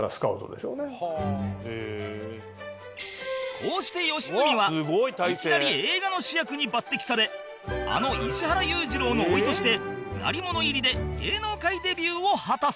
こうして良純はいきなり映画の主役に抜擢されあの石原裕次郎の甥として鳴り物入りで芸能界デビューを果たす